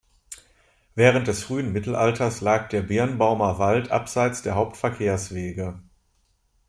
Während des frühen Mittelalters lag der Birnbaumer Wald abseits der Hauptverkehrswege.